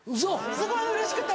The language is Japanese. すごいうれしくて。